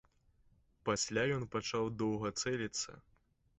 Пасля ён пачаў доўга цэліцца.